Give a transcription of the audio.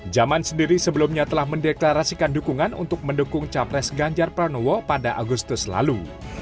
jaman sendiri sebelumnya telah mendeklarasikan dukungan untuk mendukung capres ganjar pranowo pada agustus lalu